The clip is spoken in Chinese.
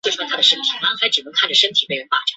多桑是生于君士坦丁堡的亚美尼亚人。